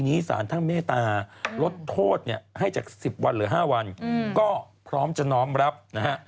นี้สารทั้งเมตตาลดโทษเนี่ยให้จากสิบวันหรือห้าวันอืมก็พร้อมจะน้องรับนะฮะ